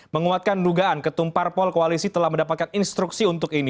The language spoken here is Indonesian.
menguatkan dugaan ketumpar polkoalisi telah mendapatkan instruksi untuk ini